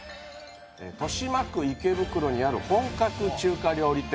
豊島区池袋にある本格中華料理店